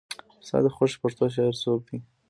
ستا د خوښې پښتو شاعر څوک دی؟